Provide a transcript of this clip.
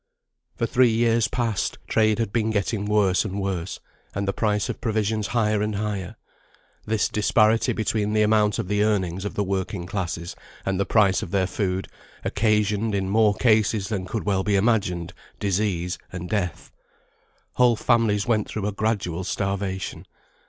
For three years past, trade had been getting worse and worse, and the price of provisions higher and higher. This disparity between the amount of the earnings of the working classes and the price of their food, occasioned, in more cases than could well be imagined, disease and death. Whole families went through a gradual starvation.